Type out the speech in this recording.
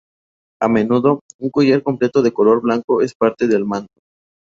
A menudo, un collar completo de color blanco es parte del manto.